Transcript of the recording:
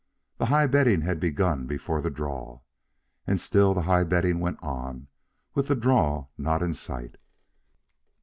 The high betting had begun before the draw, and still the high betting went on, with the draw not in sight.